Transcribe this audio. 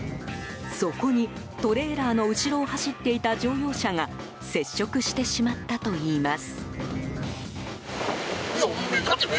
そこにトレーラーの後ろを走っていた乗用車が接触してしまったといいます。